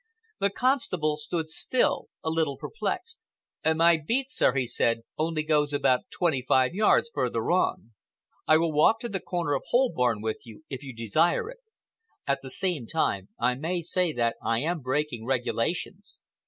The constable stood still, a little perplexed. "My beat, sir," he said, "only goes about twenty five yards further on. I will walk to the corner of Holborn with you, if you desire it. At the same time, I may say that I am breaking regulations.